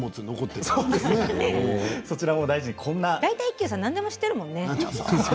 大体一休さん何でも知ってるもんね。